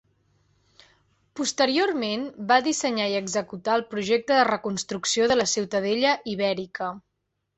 Posteriorment, va dissenyar i executar el projecte de reconstrucció de la Ciutadella Ibèrica.